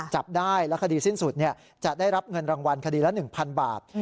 จับได้แล้วคดีสิ้นสุดจะได้รับเงินรางวัลคดีละ๑๐๐บาท